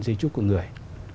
di trúc của người